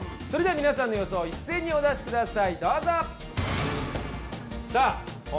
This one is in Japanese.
それではみなさんの予想を一斉にお出しください。